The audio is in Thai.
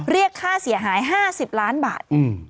เรียกค่าเสียหาย๕๐ล้านบาท